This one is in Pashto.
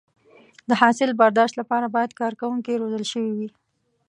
د حاصل برداشت لپاره باید کارکوونکي روزل شوي وي.